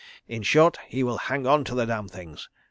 ... In short, he will hang on to the damn things.